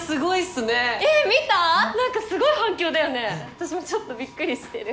私もちょっとびっくりしてる。